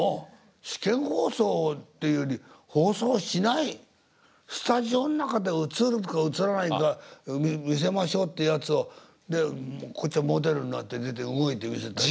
試験放送っていうより放送しないスタジオの中で映るか映らないか見せましょうってやつをでこっちはモデルになって出て動いてみせたり。